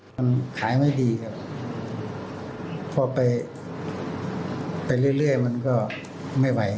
ครับมันขายไม่ดีครับพอไปไปเรื่อยเรื่อยมันก็ไม่ไหว